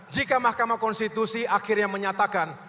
jika mahkamah konstitusi akhirnya menyatakan